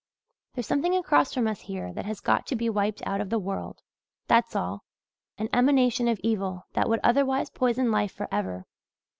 There's something across from us here that has got to be wiped out of the world, that's all an emanation of evil that would otherwise poison life for ever.